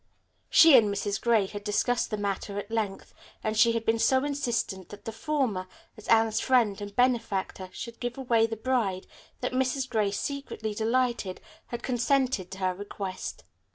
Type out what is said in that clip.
She and Mrs. Gray had discussed the matter at length, and she had been so insistent that the former, as Anne's friend and benefactor, should give away the bride that Mrs. Gray, secretly delighted, had consented to her request.